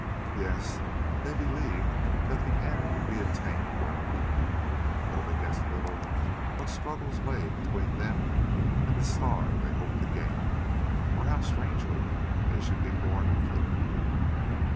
Yes, they believed that the end would be attained by one of them, though they guessed little what struggles lay between them and the Star they hoped to gain, or how strangely they should be borne thither.